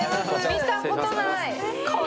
見たことない。